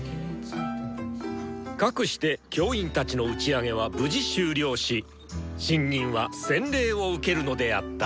かくして教員たちの打ち上げは無事終了し新任は洗礼を受けるのであった。